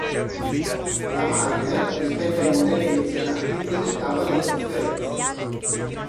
La Mariner, rispetto ai modelli menzionati, presentava delle differenze.